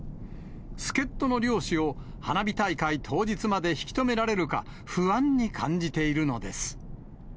助っ人の漁師を、花火大会当日まで引き止められるか、不安に感じているのです。